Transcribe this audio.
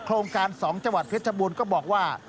โครงการสองจังหวัดเพชรจบูลก็บอกว่า